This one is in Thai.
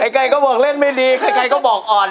ใครก็บอกเล่นไม่ดีใครก็บอกอ่อน